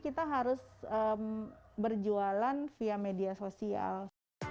kita harus berjualan via media sosial